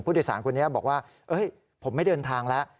สารคนนี้บอกว่าผมไม่เดินทางแล้ว